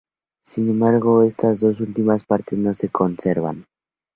Sin embargo, estas dos últimas partes no se conservan.